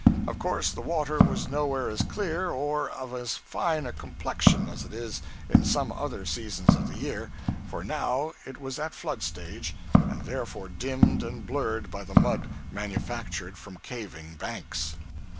Of course the water was nowhere as clear or of as fine a complexion as it is in some other seasons of the year; for now it was at flood stage, and therefore dimmed and blurred by the mud manufactured from caving banks.